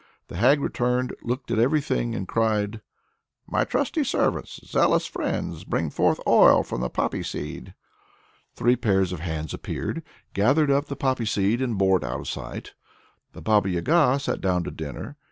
The hag returned, looked at everything, and cried, "My trusty servants, zealous friends, press forth oil from the poppy seed!" Three pairs of hands appeared, gathered up the poppy seed, and bore it out of sight. The Baba Yaga sat down to dinner.